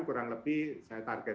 kurang lebih saya tarik